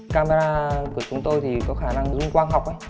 camera của chúng tôi thì có khả năng lưu quang học